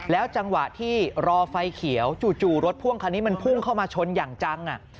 จังหวะที่รอไฟเขียวจู่รถพ่วงคันนี้มันพุ่งเข้ามาชนอย่างจัง